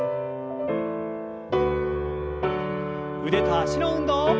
腕と脚の運動。